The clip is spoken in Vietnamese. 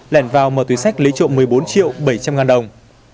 lẻn vào mở túi sách lấy trộm một mươi bốn triệu bảy trăm linh ngàn đồng